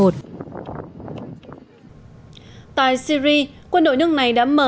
tại syri quân đội nước này đã mở